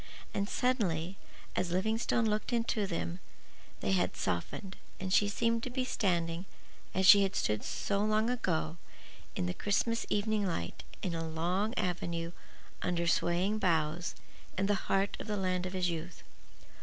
And suddenly, as Livingstone looked into them, they had softened, and she seemed to be standing, as she had stood so long ago, in the Christmas evening light in a long avenue under swaying boughs, in the heart of the land of his youth.